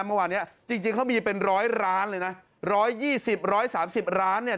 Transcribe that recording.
เมื่อวานเนี้ยจริงเขามีเป็นร้อยร้านเลยนะ๑๒๐๑๓๐ร้านเนี่ย